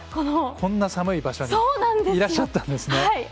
こんな寒い場所にいらっしゃったんですね。